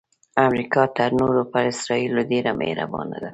امریکا تر نورو په اسراییلو ډیره مهربانه ده.